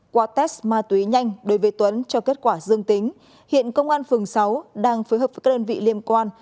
qua test ma túy nhanh đối với tuấn cho kết quả dương tính hiện công an phường sáu đang phối hợp với các đơn vị liên quan